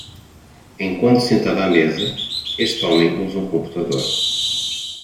Enquanto sentado à mesa, este homem usa um computador.